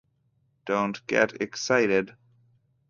Don't get excited.